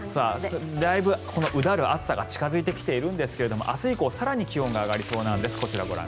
だいぶ、うだる暑さが近付いてきているんですが明日以降更に気温が上がりそうです。